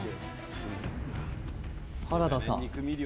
原田さん